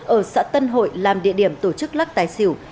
ở xã tân hội làm địa điểm tổ chức lắc tài xỉu